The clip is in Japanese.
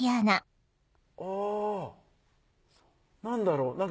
何だろう？